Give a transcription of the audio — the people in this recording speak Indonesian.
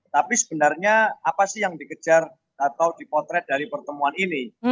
tapi sebenarnya apa sih yang dikejar atau dipotret dari pertemuan ini